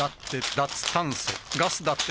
脱炭素ガス・だって・